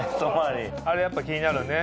あれやっぱ気になるよね